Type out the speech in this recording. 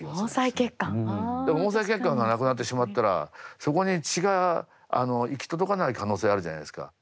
でも毛細血管がなくなってしまったらそこに血が行き届かない可能性あるじゃないですか。